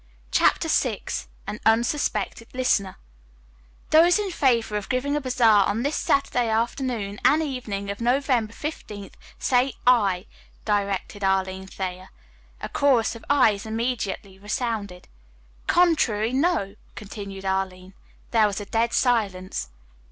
CHAPTER VI AN UNSUSPECTED LISTENER "Those in favor of giving a bazaar on the Saturday afternoon and evening of November fifteenth say 'aye,'" directed Arline Thayer. A chorus of ayes immediately resounded. "Contrary, 'no,'" continued Arline. There was a dead silence.